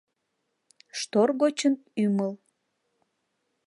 Штор гочын — ӱмыл.